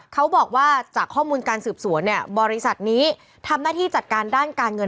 เขาบอกว่าจากข้อมูลการสืบสวนเนี่ยบริษัทนี้ทำหน้าที่จัดการด้านการเงิน